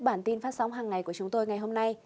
bản tin phát sóng hàng ngày của chúng tôi ngày hôm nay